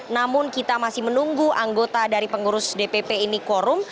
namun kita masih menunggu anggota dari pengurus dpp ini korum